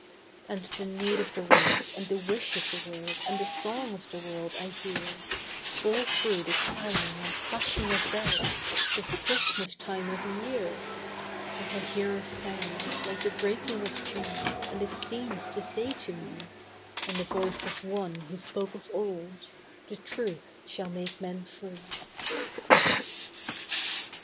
And the need of the world and the wish of the world and the song of the world I hear, All through the clanging and clashing of bells, this Christmas time o' the year; And I hear a sound like the breaking of chains, and it seems to say to me, In the voice of One who spoke of old, 'The Truth shall make men free.